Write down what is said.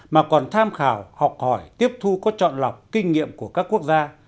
mà còn tham khảo học hỏi tiếp thu có chọn lọc kinh nghiệm của các quốc gia